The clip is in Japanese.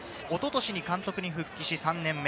おととしに監督に復帰し、３年目。